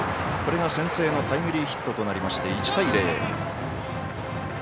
これが先制のタイムリーヒットとなりまして１対０。